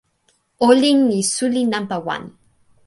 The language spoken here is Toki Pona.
olin li suli nanpa wan.